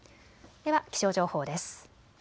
では気象情報です。